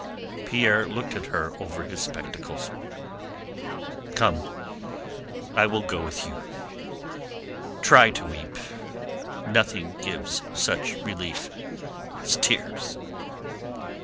Pierre looked at her over his spectacles. "Come, I will go with you. Try to weep, nothing gives such relief as tears."